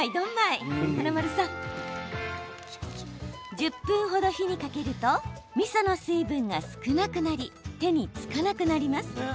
１０分程、火にかけるとみその水分が少なくなり手につかなくなります。